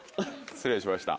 失礼しました。